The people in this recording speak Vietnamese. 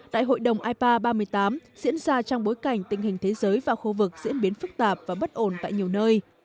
đại hội đồng ipa ba mươi tám diễn ra trong bối cảnh tình hình thế giới và khu vực diễn biến phức tạp và bất ổn tại nhiều nơi